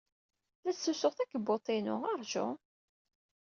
La ttlusuɣ takebbuḍt-inu. Ṛju!